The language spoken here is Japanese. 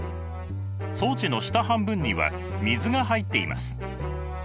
装置の下半分には水が入っています。